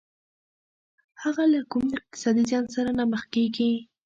هغه له کوم اقتصادي زيان سره نه مخ کېږي.